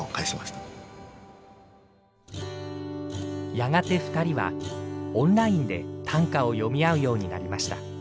やがて２人はオンラインで短歌を詠みあうようになりました。